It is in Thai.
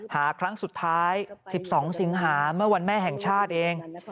หาครั้งสุดท้าย๑๒สิงหาเมื่อวันแม่แห่งชาติเอง